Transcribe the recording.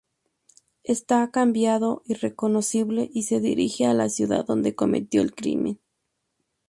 Está cambiado, irreconocible, y se dirige a la ciudad donde cometió el crimen.